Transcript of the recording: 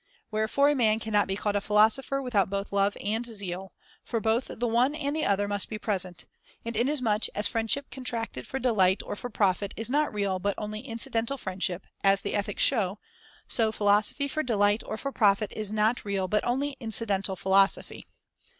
Wherefore a man cannot be called a philosopher without both love and zeal, for both the one and the other must be present ; and inasmuch as \j)o'] friendship contracted for delight or for profit is not real but only in cidental friendship, as the Ethics shows, so philosophy for delight or for profit is not real but only incidental philosophy.